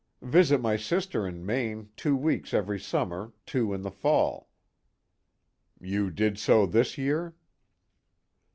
"Visit my sister in Maine two weeks every summer, two in the fall." "You did so this year?"